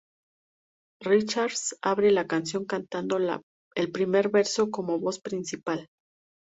Richards abre la canción cantando el primer verso como voz principal.